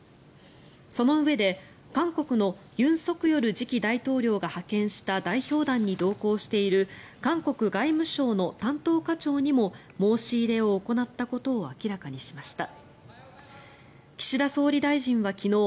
そのうえで韓国の尹錫悦次期大統領が派遣した代表団に同行している韓国外務省の担当課長にも申し入れを行ったことを明らかにしました。